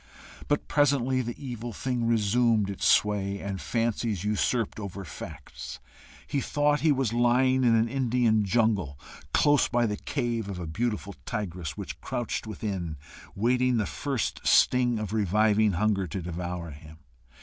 But presently the evil thing resumed its sway and fancies usurped over facts. He thought he was lying in an Indian jungle, close by the cave of a beautiful tigress, which crouched within, waiting the first sting of reviving hunger to devour him.